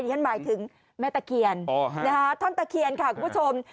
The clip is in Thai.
ฉันหมายถึงแม่ตะเคียนท่อนตะเคียนค่ะคุณผู้ชม